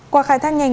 qua khai thác nhanh